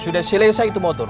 sudah silesai itu motor